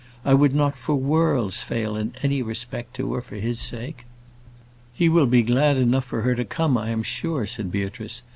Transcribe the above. "I would not for worlds fail in any respect to her for his sake." "He will be glad enough for her to come, I am sure," said Beatrice.